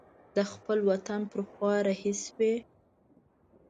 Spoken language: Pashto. د خپل وطن پر خوا رهي شوی.